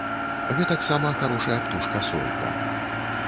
Гэтаксама харошая птушка сойка.